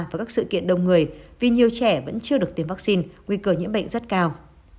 và các sự kiện đông người vì nhiều trẻ vẫn chưa được tiêm vaccine nguy cơ nhiễm bệnh rất cao